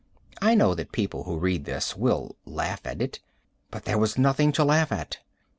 I know that people who read this will laugh at it, but there was nothing to laugh at.